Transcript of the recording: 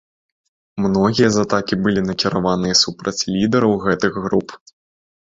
Многія з атакі былі накіраваныя супраць лідараў гэтых груп.